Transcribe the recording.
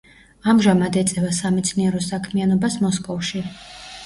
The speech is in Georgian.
ამჟამად ეწევა სამეცნიერო საქმიანობას მოსკოვში.